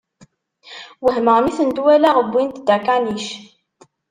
Wehmeɣ mi tent-walaɣ wwint-d akanic.